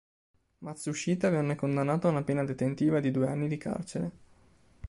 Matsushita venne condannato a una pena detentiva di due anni di carcere.